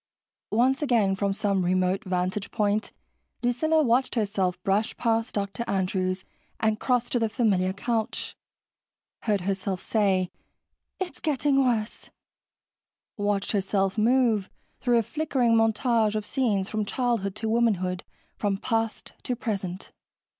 Once again, from some remote vantage point, Lucilla watched herself brush past Dr. Andrews and cross to the familiar couch, heard herself say, "It's getting worse," watched herself move through a flickering montage of scenes from childhood to womanhood, from past to present.